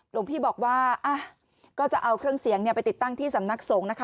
หลวงพี่บอกว่าก็จะเอาเครื่องเสียงไปติดตั้งที่สำนักสงฆ์นะคะ